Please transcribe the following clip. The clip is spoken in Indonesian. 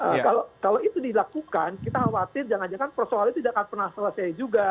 nah kalau itu dilakukan kita khawatir jangan jangan persoalannya tidak akan pernah selesai juga